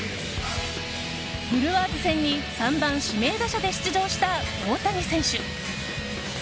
ブルワーズ戦に３番指名打者で出場した大谷選手。